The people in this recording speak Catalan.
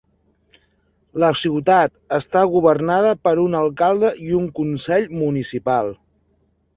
La ciutat està governada per un alcalde i un consell municipal.